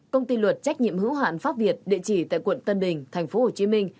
công ty luật trách nhiệm hữu hạn pháp việt địa chỉ tại quận tân bình thành phố hồ chí minh